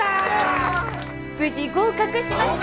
無事合格しました！